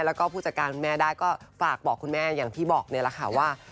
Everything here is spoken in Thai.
แล้วก็ผู้จัดการคุณแม่ได้ก็ฝากบอกคุณแม่อย่างที่บอกนี่แหละค่ะว่า